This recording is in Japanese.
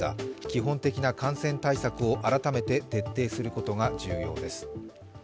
基本的な感染対策を改めて徹底することが重要です。